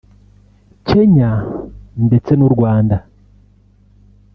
Kenya ndetse n’u Rwanda